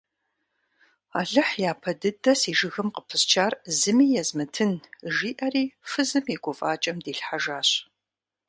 Алыхь япэ дыдэ си жыгым къыпысчар зыми езмытын, – жиӏэри фызым и гуфӏакӏэм дилъхьэжащ.